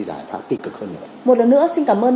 giải pháp tích cực hơn một lần nữa xin cảm ơn